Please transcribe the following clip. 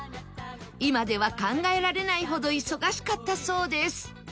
今では考えられないほど忙しかったそうです